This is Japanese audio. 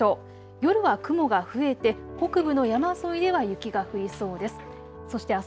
夜は雲が増えて北部の山沿いでは雪が降りそうです。